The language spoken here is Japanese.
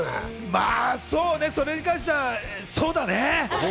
まぁそうね、それに関してはそうだね。